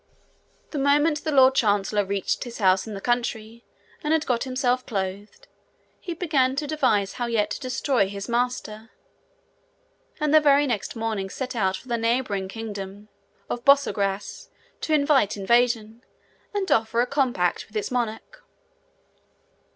The moment the lord chancellor reached his house in the country and had got himself clothed, he began to devise how yet to destroy his master; and the very next morning set out for the neighbouring kingdom of Borsagrass to invite invasion, and offer a compact with its monarch.